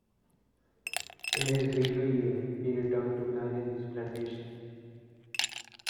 In his later years, he returned to manage his plantation.